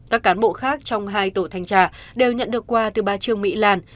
các cán bộ khác trong hai tổ thanh tra đều nhận được quà từ ba trường mỹ làn